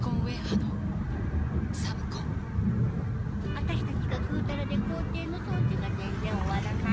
あたしたちがぐうたらで校庭の掃除が全然終わらない。